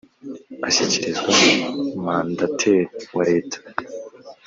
ashyikirizwa mandateri wa leta